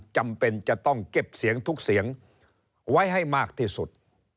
จำเป็นจะต้องเก็บเสียงทุกเสียงไว้ให้มากที่สุด